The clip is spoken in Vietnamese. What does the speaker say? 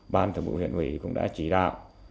ban thượng bộ huyện ủy cũng đã chỉ đạo